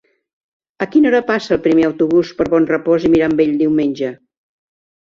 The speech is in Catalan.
A quina hora passa el primer autobús per Bonrepòs i Mirambell diumenge?